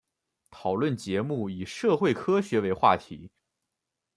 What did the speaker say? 讨论节目以社会科学为话题。